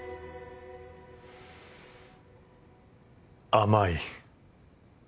甘い。